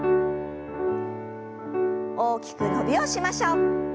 大きく伸びをしましょう。